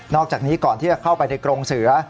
อกจากนี้ก่อนที่จะเข้าไปในกรงเสือ